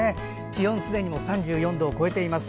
気温すでに３４度を超えています。